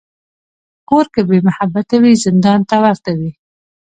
کور که بېمحبته وي، زندان ته ورته وي.